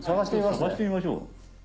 探してみましょう。